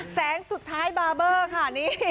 แสงสุดท้ายบาร์เบอร์ค่ะนี่